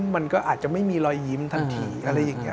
มันก็อาจจะไม่มีรอยยิ้มทันทีอะไรอย่างนี้